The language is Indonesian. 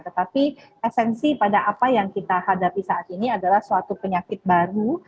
tetapi esensi pada apa yang kita hadapi saat ini adalah suatu penyakit baru